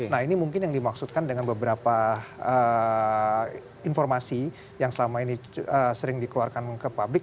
nah ini mungkin yang dimaksudkan dengan beberapa informasi yang selama ini sering dikeluarkan ke publik